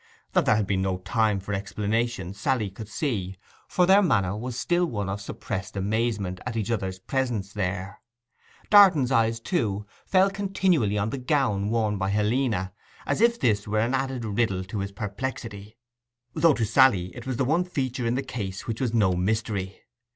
That there had been no time for explanations Sally could see, for their manner was still one of suppressed amazement at each other's presence there. Darton's eyes, too, fell continually on the gown worn by Helena as if this were an added riddle to his perplexity; though to Sally it was the one feature in the case which was no mystery.